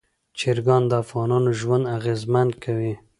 چرګان د افغانانو ژوند اغېزمن کوي.